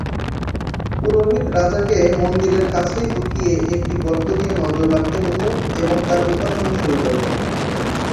পুরোহিত রাজাকে মন্দিরের কাছেই লুকিয়ে একটি গর্ত দিয়ে নজর রাখতে বলল এবং তার উপাসনা শুরু করল।